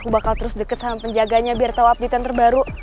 aku bakal terus deket sama penjaganya biar tau update an terbaru